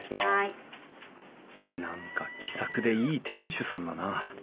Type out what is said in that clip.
何か気さくでいい店主さんだな。